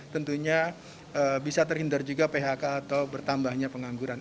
tentunya bisa terhindar juga phk atau bertambahnya pengangguran